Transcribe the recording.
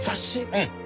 うん。